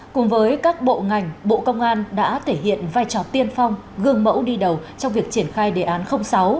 cùng với các bộ ngành bộ công an đã thể hiện vai trò tiên phong gương mẫu đi đầu trong việc triển khai đề án sáu